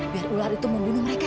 biar ular itu membunuh mereka